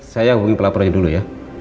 saya hubungi pelapornya dulu ya